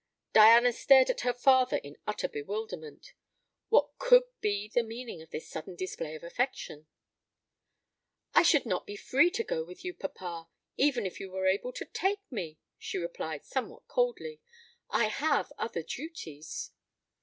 Diana stared at her father in utter bewilderment. What could be the meaning of this sudden display of affection? "I should not be free to go with you, papa, even if you were able to take me," she replied, somewhat coldly; "I have other duties."